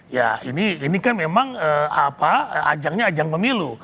ya ini kan memang ajangnya ajang pemilu